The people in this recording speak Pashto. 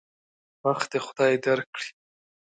بخت دې خدای درکړي.